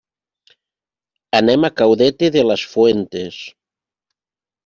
Anem a Caudete de las Fuentes.